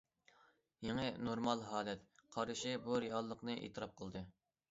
« يېڭى نورمال ھالەت» قارىشى بۇ رېئاللىقنى ئېتىراپ قىلدى.